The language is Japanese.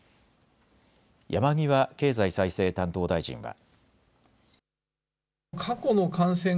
山際経済再生担当大臣は。